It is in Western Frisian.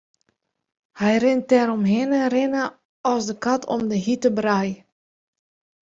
Hy rint deromhinne rinne as de kat om de hjitte brij.